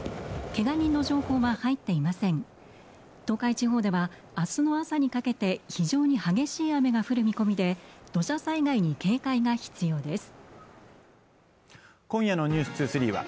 けが人の情報は入っていません東海地方ではあすの朝にかけて非常に激しい雨が降る見込みで土砂災害に警戒が必要です